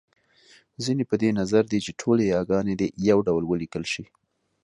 ځينې په دې نظر دی چې ټولې یاګانې دې يو ډول وليکل شي